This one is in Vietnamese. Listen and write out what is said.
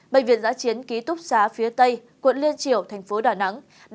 bệnh viện giã chiến ký túc xá phía tây quận liên triều thành phố đà nẵng